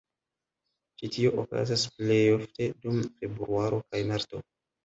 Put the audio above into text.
Ĉi tio okazas plejofte dum februaro kaj marto.